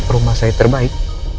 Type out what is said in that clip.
rumah saya terbaik